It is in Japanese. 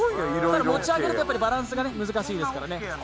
ただ、持ち上げるとバランスが難しいですからね。